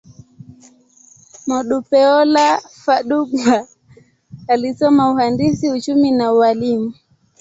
Modupeola Fadugba alisoma uhandisi, uchumi, na ualimu.